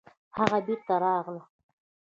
هغه بېرته راغله